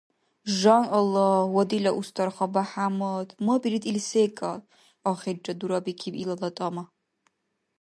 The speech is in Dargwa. – Жан Аллагь, ва дила Устарха БяхӀяммад, мабирид ил секӀал, – ахирра дурабикиб илала тӀама.